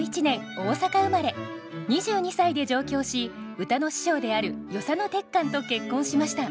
２２歳で上京し歌の師匠である与謝野鉄幹と結婚しました。